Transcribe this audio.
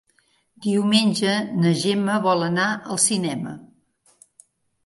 Diumenge na Gemma vol anar al cinema.